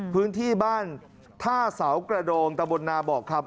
พื้นที่บ้านท่าเสากระโดงตะบนนาบอกครับ